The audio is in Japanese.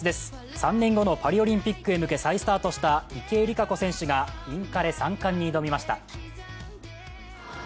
３年後のパリオリンピックへ向け再スタートした池江璃花子選手がインカレ３冠に挑みました。